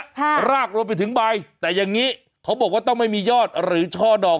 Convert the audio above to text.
ค่ะรากรวมไปถึงใบแต่อย่างงี้เขาบอกว่าต้องไม่มียอดหรือช่อดอก